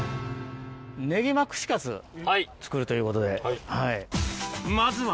ねぎま串カツ、作るというこまずは。